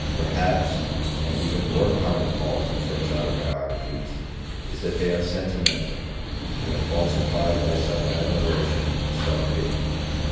Perhaps an even more common fault in such autobiographies is that they are sentimental, and are falsified by self admiration and self pity.